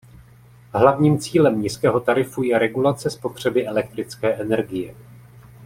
Hlavním cílem nízkého tarifu je regulace spotřeby elektrické energie.